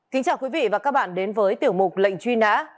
kính chào quý vị và các bạn đến với tiểu mục lệnh truy nã